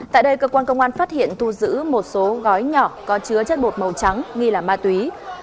tại đây cơ quan công an phát hiện thu giữ một số gói nhỏ có chứa chất bột màu trắng nghi là ma túy